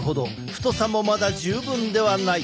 太さもまだ十分ではない。